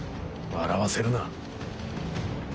笑わせるな。